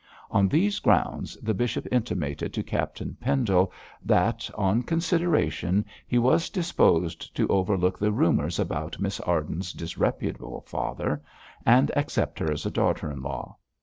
On these grounds, the bishop intimated to Captain Pendle that, on consideration, he was disposed to overlook the rumours about Miss Arden's disreputable father and accept her as a daughter in law.